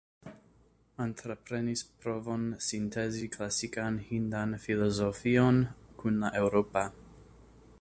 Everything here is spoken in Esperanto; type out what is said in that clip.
Entreprenis provon sintezi klasikan hindan filozofion kun la eŭropa.